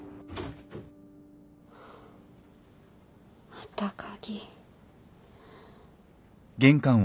また鍵。